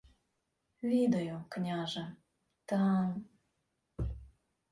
— Відаю, княже, та...